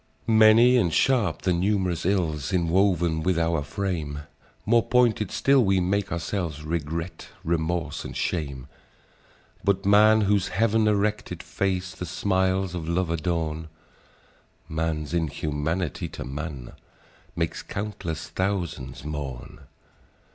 "Many and sharp the num'rous ills Inwoven with our frame! More pointed still we make ourselves, Regret, remorse, and shame! And man, whose heav'n erected face The smiles of love adorn,— Man's inhumanity to man Makes countless thousands mourn!